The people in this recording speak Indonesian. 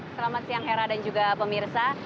selamat siang hera dan juga pemirsa